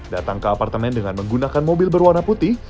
datang ke apartemen dengan menggunakan mobil berwarna putih